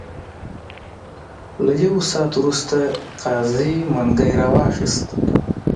له یو ساعت وروسته قاضي منګی را واخیست.